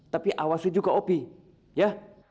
tapi awasi juga opi ya